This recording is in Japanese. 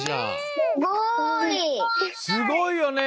すごいよね！